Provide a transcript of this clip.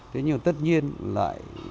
thế nhưng tất nhiên lại